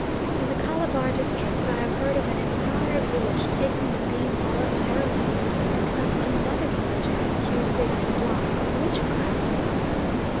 In the Calabar district I have heard of an entire village taking the bean voluntarily because another village had accused it en bloc of witchcraft.